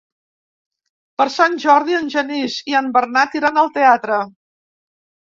Per Sant Jordi en Genís i en Bernat iran al teatre.